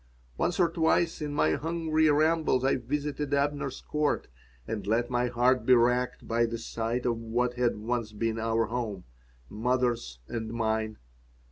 Once or twice in my hungry rambles I visited Abner's Court and let my heart be racked by the sight of what had once been our home, mother's and mine.